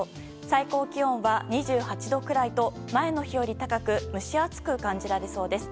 最高気温は２８度くらいと前の日より高く蒸し暑く感じられそうです。